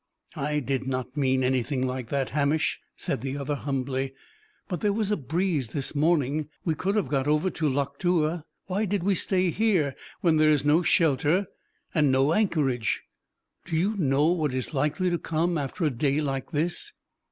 "I did not mean anything like that, Hamish," said the other, humbly. "But there was a breeze this morning. We could have got over to Loch Tua. Why did we stay here, where there is no shelter and no anchorage? Do you know what is likely to come after a day like this?"